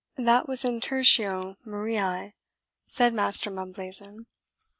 "That was in TERTIO MARIAE," said Master Mumblazen.